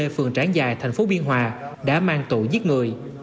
phường trảng giài thành phố biên hòa đã mang tội giết người